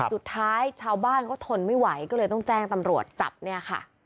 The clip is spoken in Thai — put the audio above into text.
สุดท้ายชาวบ้านเขาทนไม่ไหวก็เลยต้องแจ้งตำรวจจับเนี่ยค่ะ